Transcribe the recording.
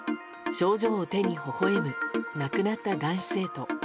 賞状を手にほほ笑む亡くなった男子生徒。